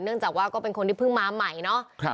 จากว่าก็เป็นคนที่เพิ่งมาใหม่เนาะ